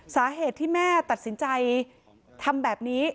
สาเหตุที่แม่ตัดสินใจทำแบบนี้